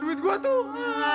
duit gua tuh